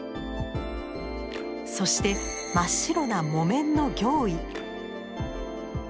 そして真っ白な木綿の行衣。